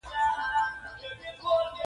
هر خبر د خپل اهمیت له مخې خپرېږي.